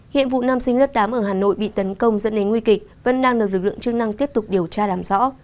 hiện vụ nam sinh lớp tám ở hà nội bị tấn công dẫn đến nguy kịch vẫn đang được lực lượng chức năng tiếp tục điều tra làm rõ